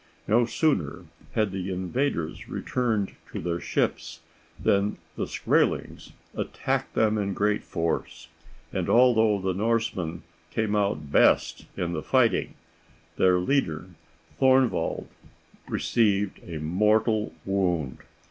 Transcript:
No sooner had the invaders returned to their ships than the Skraelings attacked them in great force, and although the Norsemen came out best in the fighting, their leader, Thorvald, received a mortal wound.